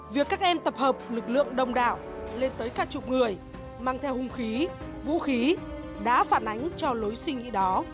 việc các em tập hợp lực lượng đông đảo lên tới các chục người mang theo hung khí vũ khí đá phản ánh cho lối suy nghĩ đó